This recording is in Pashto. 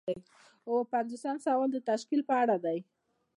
اووه پنځوسم سوال د تشکیل په اړه دی.